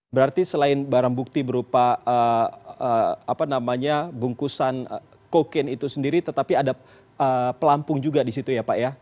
berarti selain barang bukti berupa bungkusan kokain itu sendiri tetapi ada pelampung juga di situ ya pak ya